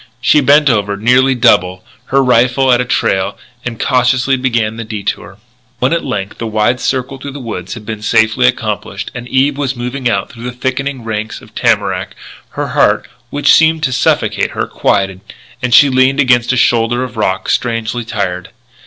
She bent over nearly double, her rifle at a trail, and cautiously began the detour. When at length the wide circle through the woods had been safely accomplished and Eve was moving out through the thickening ranks of tamarack, her heart, which seemed to suffocate her, quieted; and she leaned against a shoulder of rock, strangely tired.